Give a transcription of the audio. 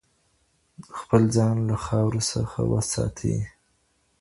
خپل ځان له خاورو څخه وساتئ.